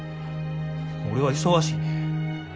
俺は忙しいねん。